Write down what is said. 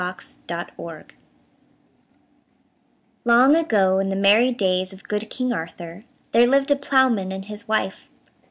TOM THUMB Long ago, in the merry days of good King Arthur, there lived a ploughman and his wife.